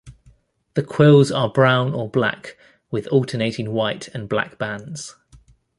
The quills are brown or black with alternating white and black bands.